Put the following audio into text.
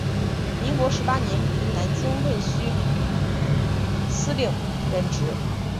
民国十八年于南京卫戍司令任职。